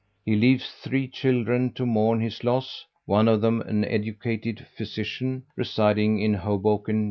He leaves three children to mourn his loss, one of them an educated physician, residing in Hoboken, N.